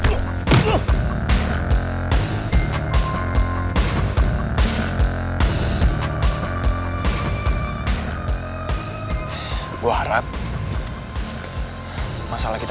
ini urusan gua sama dia